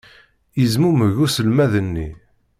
Yezmumeg uselmad-nni.